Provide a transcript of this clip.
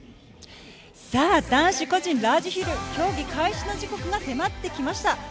男子個人ラージヒル、競技開始の時刻が迫ってきました。